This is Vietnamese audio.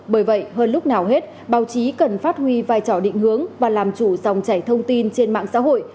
bởi vậy hơn lúc nào hết báo chí cần phát huy vai trò định hướng và làm chủ dòng chảy thông tin trên mạng xã hội